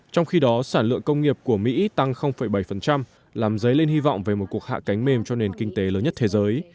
trong khi đó sản lượng công nghiệp của mỹ tăng bảy làm dấy lên hy vọng về một cuộc hạ cánh mềm cho nền kinh tế lớn nhất thế giới